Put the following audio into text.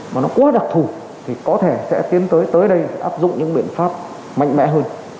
mà nó quá đặc thù thì có thể sẽ tiến tới tới đây áp dụng những biện pháp mạnh mẽ hơn